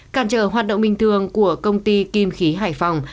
cản trở hoạt động bình thường của công ty kim khí hải phòng